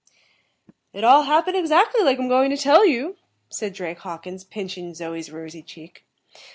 "It all happened exactly like I'm going to tell you," said Drake Hawkins, pinching Zoe's rosy cheek.